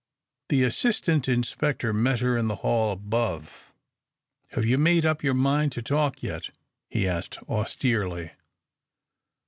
The assistant inspector met her in the hall above. "Have you made up your mind to talk yet?" he asked, austerely.